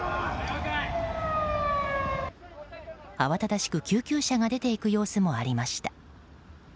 慌ただしく救急車が出て行く様子もありました。